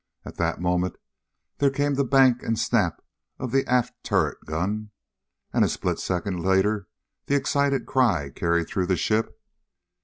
At that moment there came the bank and snap of the aft turret guns. And a split second later the excited cry carried through the ship.